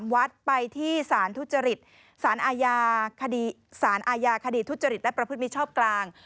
๓วัดไปที่สารทุจริตสารอาญาคดีทุจริตและประพฤติมิชชอบกลาง